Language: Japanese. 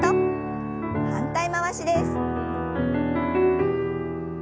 反対回しです。